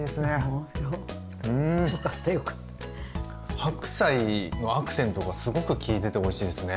白菜のアクセントがすごく効いてておいしいですね。